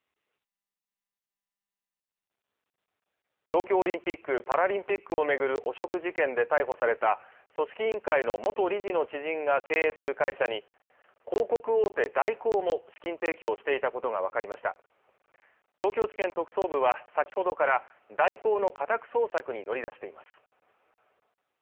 東京オリンピック・パラリンピックを巡る汚職事件で逮捕された組織委員会の元理事の知人が経営する会社に広告大手大広も資金提供をしていたことが分かりました東京地検特捜部は先ほどから大広の家宅捜索に乗り出しています